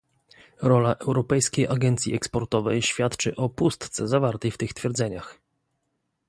Rola Europejskiej Agencji Eksportowej świadczy o pustce zawartej w tych twierdzeniach